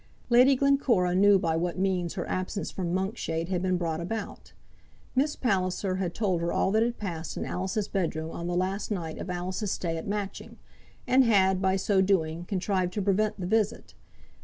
Lady Glencora knew by what means her absence from Monkshade had been brought about. Miss Palliser had told her all that had passed in Alice's bedroom on the last night of Alice's stay at Matching, and had, by so doing, contrived to prevent the visit.